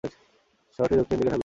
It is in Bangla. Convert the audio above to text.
শহরটি দক্ষিণের দিকে ঢালু।